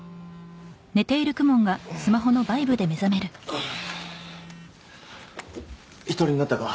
ああ１人になったか？